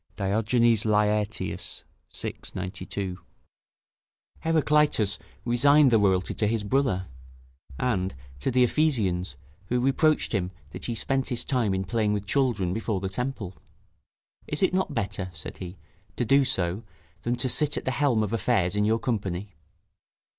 [Diogenes Laertius, vi. 92.] Heraclitus resigned the royalty to his brother; and, to the Ephesians, who reproached him that he spent his time in playing with children before the temple: "Is it not better," said he, "to do so, than to sit at the helm of affairs in your company?"